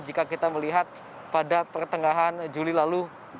jika kita melihat pada pertengahan juli lalu